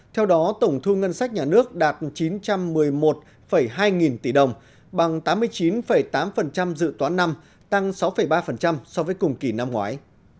theo đó tổng thu ngân sách nhà nước đạt chín trăm một mươi một hai nghìn tỷ đồng bằng tám mươi chín tám dự toán năm tăng sáu ba so với cùng kỳ năm ngoái